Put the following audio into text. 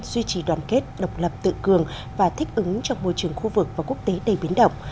duy trì đoàn kết độc lập tự cường và thích ứng trong môi trường khu vực và quốc tế đầy biến động